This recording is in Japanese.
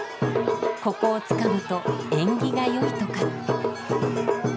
ここをつかむと縁起が良いとか。